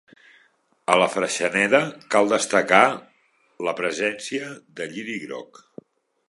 A la freixeneda cal destacar la presència de lliri groc.